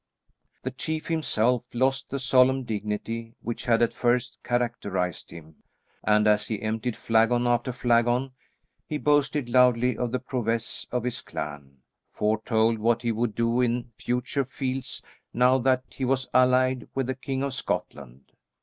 The chief himself, lost the solemn dignity which had at first characterised him, and as he emptied flagon after flagon he boasted loudly of the prowess of his clan; foretold what he would do in future fields now that he was allied with the King of Scotland.